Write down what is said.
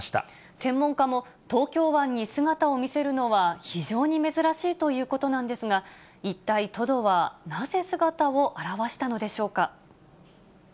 専門家も東京湾に姿を見せるのは非常に珍しいということなんですが、一体トドはなぜ姿を現したのでしょうか。